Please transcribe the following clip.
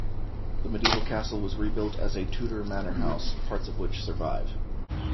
The medieval castle was rebuilt as a Tudor manor house, parts of which survive.